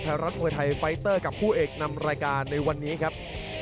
รัฐมวยไทยไฟเตอร์กับคู่เอกนำรายการในวันนี้ครับ